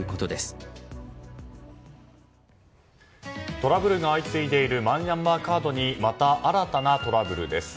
トラブルが相次いでいるマイナンバーカードにまた、新たなトラブルです。